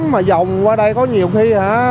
mà dòng qua đây có nhiều khi